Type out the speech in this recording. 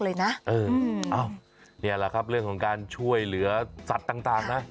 เลยนะเอออ้าวนี่แหละครับเรื่องของการช่วยเหลือสัตว์ต่างนะ